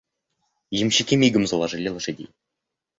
Ямщики мигом заложили лошадей.